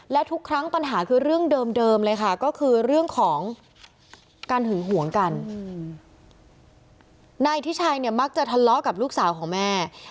และทุกครั้งปัญหาคือเรื่องเดิมเลยค่ะ